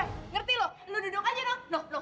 ngerti lu lu duduk aja noh